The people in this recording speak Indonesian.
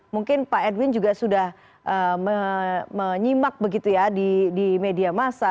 mungkin pak edwin juga sudah menyimak begitu ya di media masa